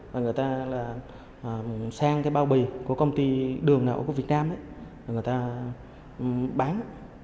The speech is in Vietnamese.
và người ta sang bao bì của công ty đường nậu của việt nam người ta bán